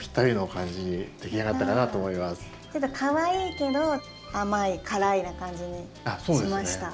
かわいいけど甘い辛いな感じにしました。